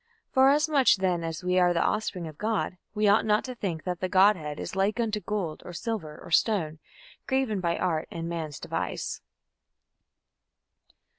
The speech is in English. Forasmuch then as we are the offspring of God, we ought not to think that the Godhead is like unto gold, or silver, or stone, graven by art and man's device."